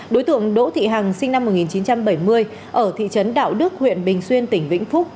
đối tượng đỗ thị hằng sinh năm một nghìn chín trăm bảy mươi ở thị trấn đạo đức huyện bình xuyên tỉnh vĩnh phúc